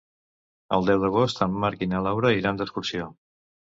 El deu d'agost en Marc i na Laura iran d'excursió.